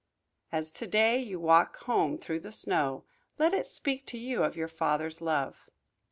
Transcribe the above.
As to day you walk home through the snow let it speak to you of your Father's love.